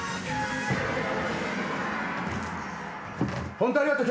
本当ありがとう